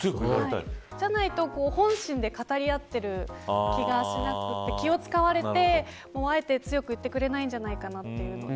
じゃないと、本心で語り合っている気がしなくて気を使われてあえて強く言ってくれないんじゃないかと思って。